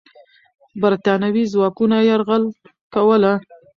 برتانوي ځواکونه یرغل کوله.